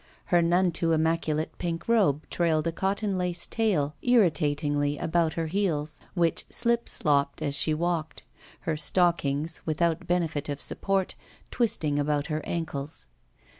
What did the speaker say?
Her none too 37a ROULETTE immactdate pink robe trailed a cotton lace tail irritatingly about her heels, which slip slopped as she walked, her stockings, without benefit of support, twisting about her ankles.